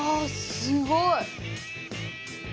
すごい。